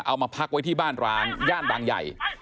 มาพักไว้ที่บ้านร้างย่านบางใหญ่